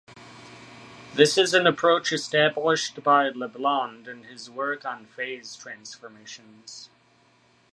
This is an approach established by Leblond in his work on phase transformations.